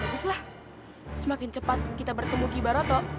teruslah semakin cepat kita bertemu kibaroto